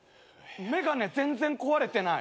眼鏡全然壊れてない。